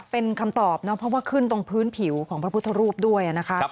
เป็นคำตอบนะเพราะว่าขึ้นตรงพื้นผิวของพระพุทธรูปด้วยนะคะ